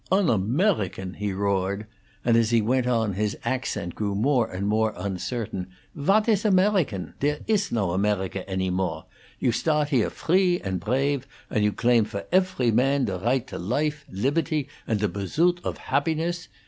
"On Amerigan!" he roared, and, as he went on, his accent grew more and more uncertain. "What iss Amerigan? Dere iss no Ameriga any more! You start here free and brafe, and you glaim for efery man de right to life, liperty, and de bursuit of habbiness.